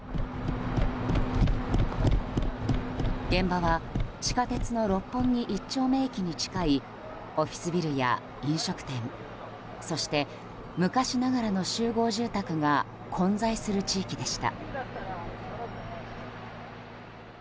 現場は地下鉄の六本木一丁目駅に近いオフィスビルや飲食店そして、昔ながらの集合住宅が混在する地域でした。